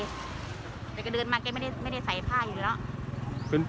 ซื้อปุ่นใช้ไรท่อเตอร์แต่กะเดินมาไม่ได้ใส่ผ้าอยู่แล้ว